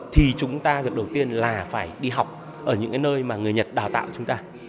thì chúng ta việc đầu tiên là phải đi học ở những nơi mà người nhật đào tạo chúng ta